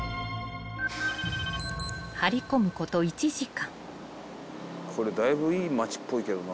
［張り込むこと１時間］